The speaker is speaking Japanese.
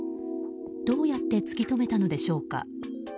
どうやって突き止めたのでしょうか。